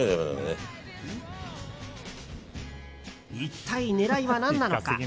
一体狙いは何なのか。